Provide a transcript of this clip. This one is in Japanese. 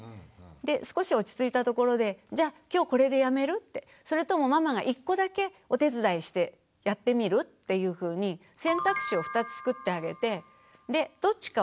で少し落ち着いたところで「じゃあ今日これでやめる？」って「それともママが１個だけお手伝いしてやってみる？」っていうふうに選択肢を２つつくってあげてでどっちかを自分で選んでもらう。